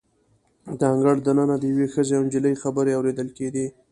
د انګړ د ننه د یوې ښځې او نجلۍ خبرې اوریدل کیدې.